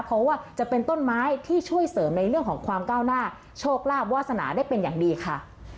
เพราะว่าจะเป็นต้นไม้ที่ช่วยเสริมในเรื่องของความก้าวหน้าโชคลาภวาสนาได้เป็นอย่างดีค่ะ